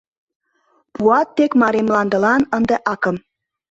Пуат тек Марий мландылан ынде акым.